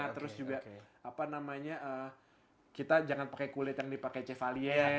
terus juga kita jangan pakai kulit yang dipakai chevalier